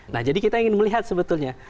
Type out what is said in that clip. nah jadi kita ingin melihat sebetulnya